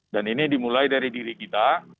dan ini dimulai dari diri kita